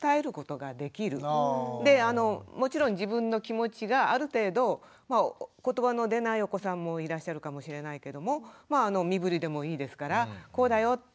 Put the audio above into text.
であのもちろん自分の気持ちがある程度言葉の出ないお子さんもいらっしゃるかもしれないけどもまああの身ぶりでもいいですからこうだよって伝えることができる。